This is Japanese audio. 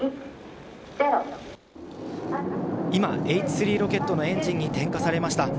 今、Ｈ３ロケットのエンジンに点火されました。